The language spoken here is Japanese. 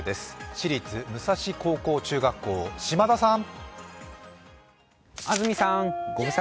私立武蔵高校中学校、島田さん。